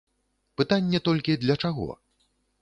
Пытанне толькі для чаго.